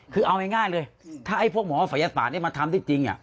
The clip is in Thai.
คือเอาง่ายเลยถ้าไอ้พวกหมอศัยศาสตร์นี้มาทำที่จริง